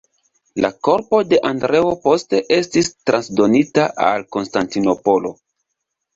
La korpo de Andreo poste estis transdonita al Konstantinopolo.